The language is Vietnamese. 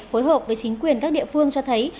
phối hợp với chính quyền các địa phương cho thấy